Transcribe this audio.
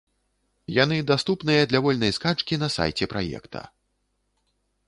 Яны даступныя для вольнай скачкі на сайце праекта.